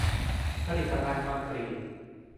ผลิตภัณฑ์คอนกรีต